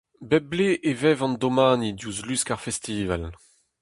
Bep bloaz e vev an domani diouzh lusk ar festival.